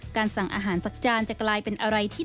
สั่งอาหารสักจานจะกลายเป็นอะไรที่